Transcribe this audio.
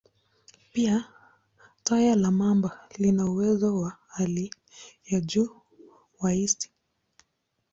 Pia, taya la mamba lina uwezo wa hali ya juu wa hisi.